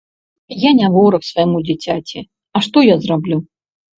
Я не вораг свайму дзіцяці, а што я зраблю?